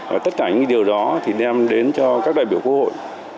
và tất cả những điều đó thì đem đến cho các đại biểu quốc hội